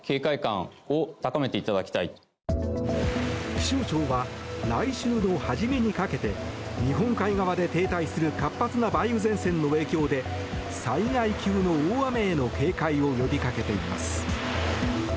気象庁は、来週の初めにかけて日本海側で停滞する活発な梅雨前線の影響で災害級の大雨への警戒を呼びかけています。